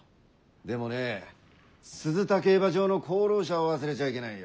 でもね鈴田競馬場の功労者を忘れちゃいけないよ。